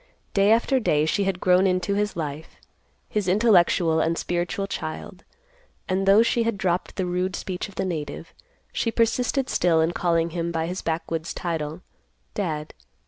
Day after day she had grown into his life—his intellectual and spiritual child, and though she had dropped the rude speech of the native, she persisted still in calling him by his backwoods title, "Dad."